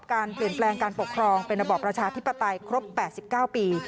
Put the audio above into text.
การเปลี่ยนแปลงการปกครองเป็นระบอบประชาธิปไตยครบ๘๙ปี